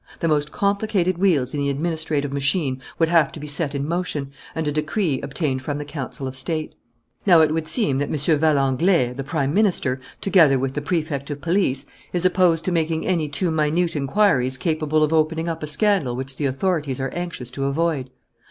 The most complicated wheels in the administrative machine would have to be set in motion, and a decree obtained from the Council of State. "Now it would seem that M. Valenglay, the Prime Minister, together with the Prefect of Police, is opposed to making any too minute inquiries capable of opening up a scandal which the authorities are anxious to avoid.